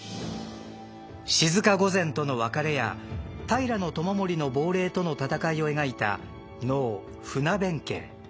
静御前との別れや平知盛の亡霊との戦いを描いた能「船弁慶」。